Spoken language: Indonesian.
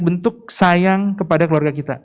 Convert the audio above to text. bentuk sayang kepada keluarga kita